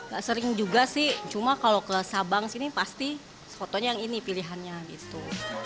gak sering juga sih cuma kalau ke sabang sini pasti fotonya yang ini pilihannya gitu